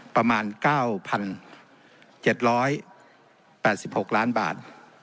ประมาณ๙๗๘๖ล้านบาท